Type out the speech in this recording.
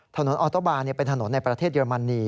ออโตบาร์เป็นถนนในประเทศเยอรมนี